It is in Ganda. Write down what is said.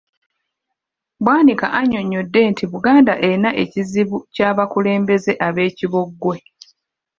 Bwanika annyonnyodde nti Buganda erina ekizibu ky’abakulembeze abeekibogwe.